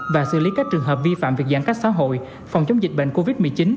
và xử lý các trường hợp vi phạm việc giãn cách xã hội phòng chống dịch bệnh covid một mươi chín